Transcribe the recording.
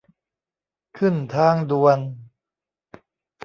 ขึ้นทางด่วน